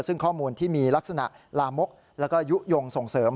ซึ่งข้อมูลที่มีลักษณะลามกแล้วก็ยุโยงส่งเสริม